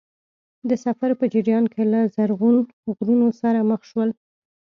د سفر په جریان کې له زرغون غرونو سره مخ شول.